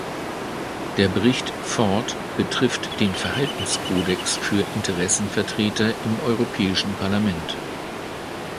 Der Bericht Ford betrifft den Verhaltenskodex für Interessenvertreter im Europäischen Parlament.